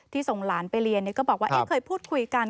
ส่งหลานไปเรียนก็บอกว่าเคยพูดคุยกัน